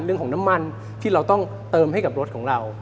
เรื่องของน้ำมันที่เราต้องเติมให้กับรถของเรา